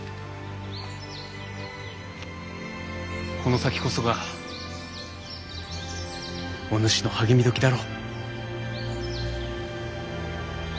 この先こそがお主の励み時だろう。